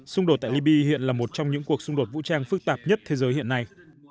xung đột tại libya hiện là một trong những cuộc xung đột vũ trang phức tạp nhất thế giới hiện nay